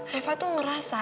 reva tuh ngerasa